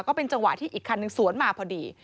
ก็เป็นจังหวะที่อีกคันหนึ่งสวนมาพอดี